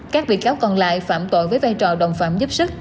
các bị cáo còn lại phạm tội với vai trò đồng phạm giúp sức